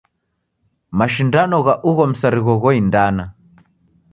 Mashindano gha ugho msarigho ghoindana.